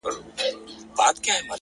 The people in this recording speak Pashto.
اوس د شپې سوي خوبونه زما بدن خوري _